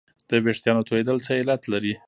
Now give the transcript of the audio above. د وېښتانو تویدل څه علت لري